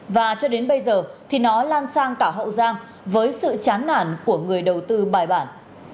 và cho đến bây giờ thì nó lan sang cả hậu giang với sự chán nản của người đầu tư bài bản